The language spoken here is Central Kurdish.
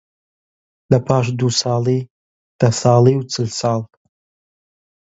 لەپاش دوو ساڵی، دە ساڵی و چل ساڵ